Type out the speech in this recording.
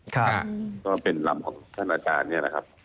เขาก็เป็นลำของท่านอาจารย์เนี่ย